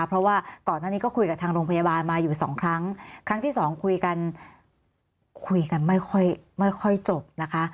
เพราะว่าก่อนหน้านี้ก็คุยกับทางโรงพยาบาลมาอยู่สองครั้งครั้งที่สองคุยกันคุยกันไม่ค่อยจบนะคะ